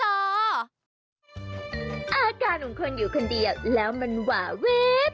อาการของคนอยู่คนเดียวแล้วมันหวาวิบ